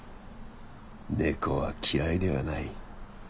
猫は嫌いではない。